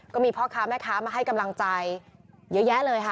ก็มีพ่อค้าแม่ค้ามาให้กำลังใจเยอะแยะเลยค่ะ